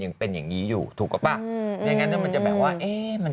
ยังเป็นอย่างงี้อยู่ถูกอ่ะปะอย่างงั้นมันจะแบบว่าเอ๊มัน